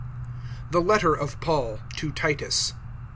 THE LETTER OF PAUL TO TITUS.